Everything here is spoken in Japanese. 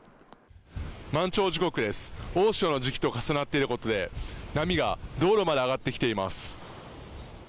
満潮時刻です大潮の時期と重なっていることで波が道路まで上がってきています。